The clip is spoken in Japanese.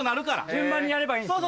順番にやればいいんですね？